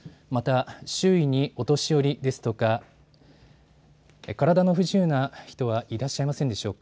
また周囲にお年寄りですとか体の不自由な人はいらっしゃいませんでしょうか。